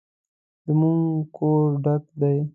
زموږ کور ډک دی